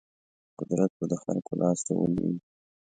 قدرت به د خلکو لاس ته ولویږي.